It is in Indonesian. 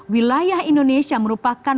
wilayah indonesia merupakan